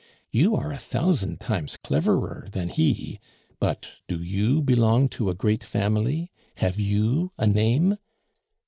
You are a thousand times cleverer than he; but do you belong to a great family, have you a name?